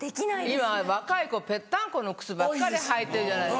今若い子ぺったんこの靴ばっかり履いてるじゃない。